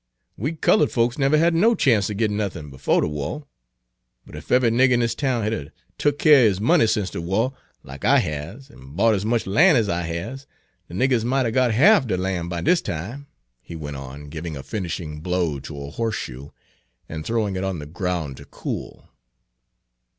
"We colored folks never had no chance ter git nothin' befo' de wah, but ef eve'y nigger in dis town had a tuck keer er his money sence de wah, like I has, an' bought as much lan' as I has, de niggers might 'a' got half de lan' by dis time," he went on, giving a finishing blow to a horseshoe, and throwing it on the ground to cool.